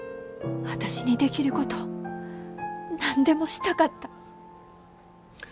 私にできること何でもしたかった。